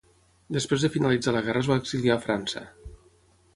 Després de finalitzar la guerra es va exiliar a França.